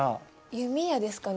弓矢ですかね？